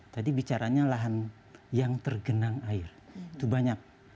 tadi bicaranya lahan yang tergenang air itu banyak